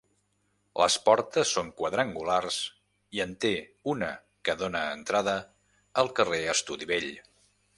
Les portes són quadrangulars i en té una que dóna entrada al carrer Estudi Vell.